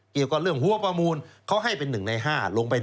เกี่ยวกับเรื่องหัวประมูลเขาให้เป็น๑ใน๕ลงไป